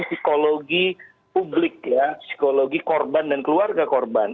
psikologi publik ya psikologi korban dan keluarga korban